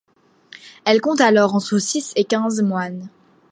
Elle compte alors entre six et quinze moines.